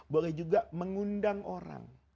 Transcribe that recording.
boleh juga mengundang orang